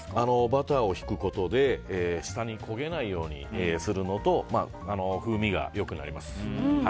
バターをひくことで下に焦げないようにするのと風味が良くなります。